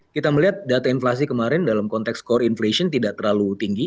kita melihat data inflasi kemarin dalam konteks core inflation tidak terlalu tinggi